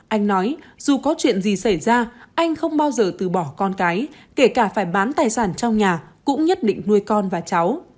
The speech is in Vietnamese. anh nói dù có chuyện gì xảy ra anh không bao giờ từ bỏ con cái kể cả phải bán tài sản trong nhà cũng nhất định nuôi con và cháu